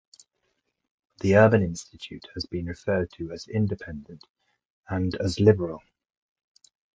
The Urban Institute has been referred to as "independent" and as "liberal".